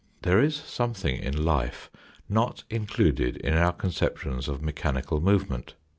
There is something in life not included in our concep tions of mechanical movement.